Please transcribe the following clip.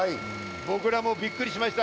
僕らもびっくりしました。